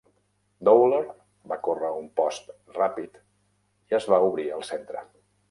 Dowler va córrer un post ràpid i es va obrir al centre.